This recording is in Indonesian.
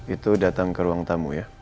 itu datang ke ruang tamu ya